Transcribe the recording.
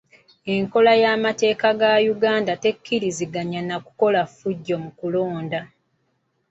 Enkola y'amateeka ga Uganda tekkiriziganya na kukozesa ffujjo mu kulonda.